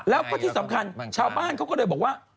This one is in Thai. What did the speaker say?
แล้วก็ที่สำคัญชาวบ้านเขาก็เลยบอกว่า